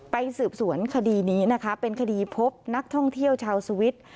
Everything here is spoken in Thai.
ไปสืบสวนคดีนี้นะคะเป็นคดีพบนักท่องเที่ยวชาวสวิตช์